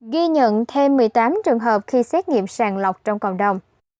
ghi nhận thêm một mươi tám trường hợp khi xét nghiệm sàng lọc trong cộng đồng